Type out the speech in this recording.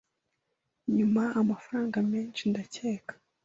nyuma? Amafaranga menshi, ndakeka? ”